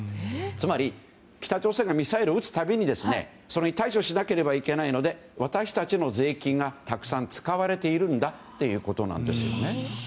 つまり、北朝鮮がミサイルを撃つ度にそれに対処しなければいけないので私たちの税金がたくさん使われているんだということですね。